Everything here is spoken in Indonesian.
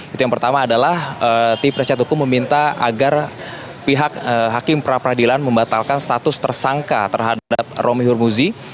itu yang pertama adalah tim persihat hukum meminta agar pihak hakim pra peradilan membatalkan status tersangka terhadap romi hurmuzi